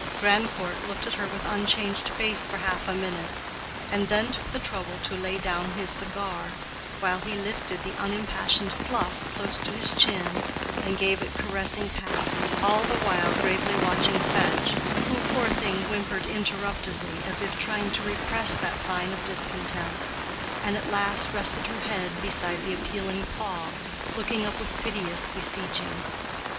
Grandcourt looked at her with unchanged face for half a minute, and then took the trouble to lay down his cigar while he lifted the unimpassioned Fluff close to his chin and gave it caressing pats, all the while gravely watching Fetch, who, poor thing, whimpered interruptedly, as if trying to repress that sign of discontent, and at last rested her head beside the appealing paw, looking up with piteous beseeching.